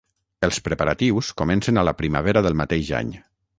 Els preparatius comencen a la primavera del mateix any.